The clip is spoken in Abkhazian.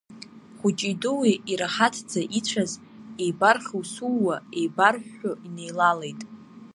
Хәыҷи дуи ираҳаҭӡа ицәаз, еибархьусууа, еибарҳәҳәо инеилалеит.